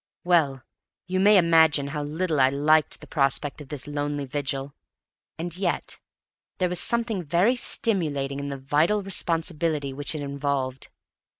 Well, you may imagine how little I liked the prospect of this lonely vigil; and yet there was something very stimulating in the vital responsibility which it involved.